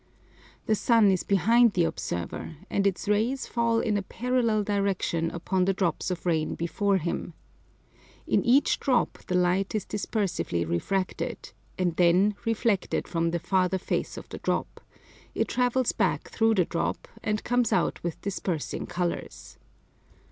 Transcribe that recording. The sun is behind the observer, and its rays fall in a parallel direction upon the drops of rain before him. In each drop the light is dispersively refracted, and then reflected from the farther face of the drop; it travels back through the drop, and comes out with dispersing colours.